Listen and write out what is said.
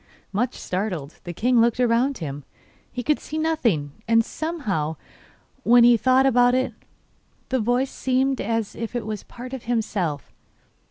Much startled, the king looked about him. He could see nothing, and somehow, when he thought about it, the voice seemed as if it were part of himself.